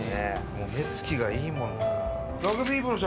もう目付きがいいもんなあ。